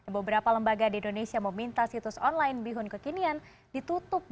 beberapa lembaga di indonesia meminta situs online bihun kekinian ditutup